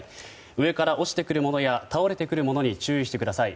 上から落ちてくるものや倒れてくるものに注意してください。